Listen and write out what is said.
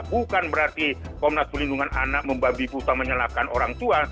bukan berarti komnas pelindungan anak membabi busa menyalahkan orang tua